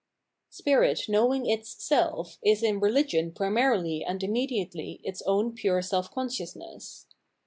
Spirit knowing its self is in religion primarily and im mediately its own pure self consciousness.